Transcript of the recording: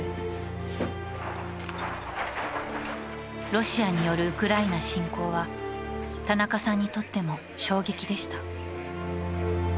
ロシアによるウクライナ侵攻は、田中さんにとっても衝撃でした。